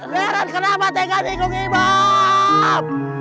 beran kenapa teka lingkung ibab